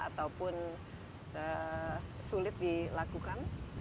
ataupun sulit dilakukan